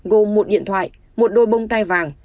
gồm một điện thoại một đôi bông tai vàng